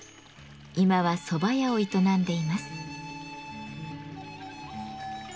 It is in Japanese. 今はそば屋を営んでいます。